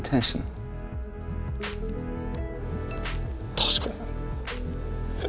確かに。